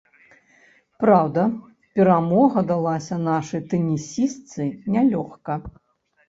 Праўда, перамога далася нашай тэнісістцы нялёгка.